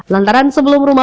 lantaran sebelum rumput